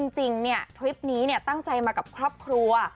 จริงเนี่ยทริปนี้เนี่ยตั้งใจมากับครอบครัว